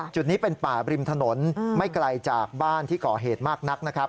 จุดนี้เป็นป่าบริมถนนไม่ไกลจากบ้านที่ก่อเหตุมากนักนะครับ